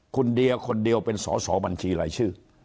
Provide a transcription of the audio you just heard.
คุณเดียคนเดียวเป็นสอสอบัญชีรายชื่อ